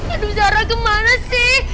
aduh zara kemana sih